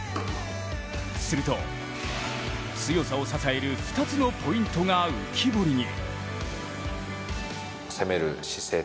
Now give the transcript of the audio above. すると、強さを支える２つのポイントが浮き彫りに。